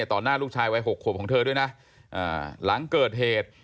หน้าลูกชายวัย๖ขวบของเธอด้วยนะหลังเกิดเหตุ